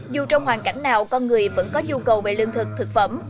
dù trong hoàn cảnh nào con người vẫn có nhu cầu về lương thực thực phẩm